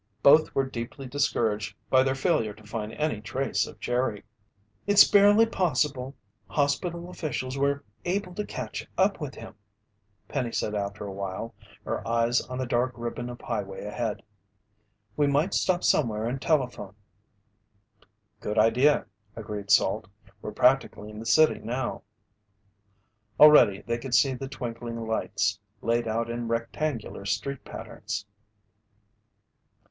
Both were deeply discouraged by their failure to find any trace of Jerry. "It's barely possible hospital officials were able to catch up with him," Penny said after a while, her eyes on the dark ribbon of highway ahead. "We might stop somewhere and telephone." "Good idea," agreed Salt. "We're practically in the city now." Already they could see the twinkling lights, laid out in rectangular street patterns.